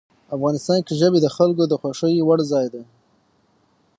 افغانستان کې ژبې د خلکو د خوښې وړ ځای دی.